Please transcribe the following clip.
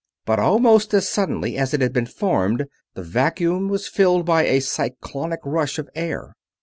But almost as suddenly as it had been formed the vacuum was filled by a cyclonic rush of air.